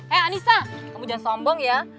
eh anissa kamu jangan sombong ya